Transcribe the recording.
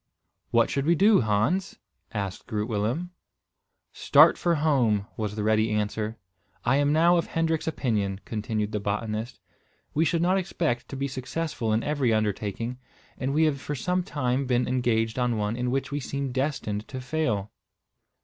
"What should we do, Hans?" asked Groot Willem. "Start for home," was the ready answer. "I am now of Hendrik's opinion," continued the botanist. "We should not expect to be successful in every undertaking, and we have for some time been engaged on one in which we seem destined to fail."